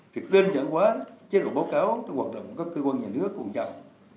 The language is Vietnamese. việc đơn giản quá chế độ báo cáo hoạt động các cơ quan nhà nước còn chậm